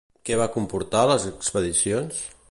Què va comportar les expedicions?